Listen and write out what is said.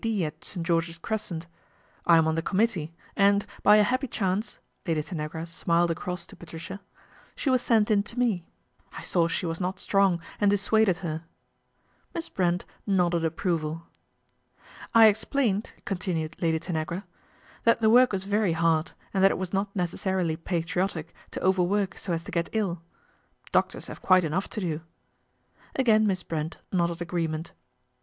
D. at St. George's Crescent. I am on e committee and, by a happy chance," Lady agra smiled across to Patricia, " she was sent to me. I saw she was not strong and dis aded her." Miss Brent nodded approval. I explained," continued Lady Tanagra, " that work was very hard, and that it was not cessarily patriotic to overwork so as to get ill. ;, Ibctors have quite enough to do." ; I] Again Miss Brent nodded agreement.